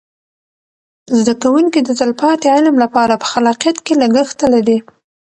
زده کوونکي د تلپاتې علم لپاره په خلاقیت کې لګښته لري.